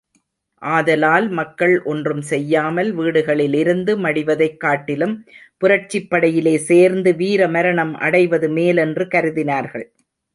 ஆதலால் மக்கள் ஒன்றும் செய்யாமல் வீடுகளிலிருந்து மடிவதைக் காட்டிலும புரட்சிப்படையிலே சேர்ந்து வீரமரணம் அடைவது மேலென்று கருதினார்கள்.